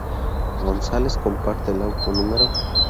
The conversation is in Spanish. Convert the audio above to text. González comparte el auto No.